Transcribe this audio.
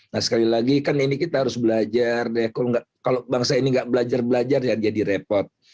nah sekali lagi kan ini kita harus belajar deh kalau bangsa ini nggak belajar belajar ya jadi repot